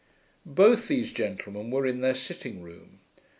Both these gentlemen were in their sitting room.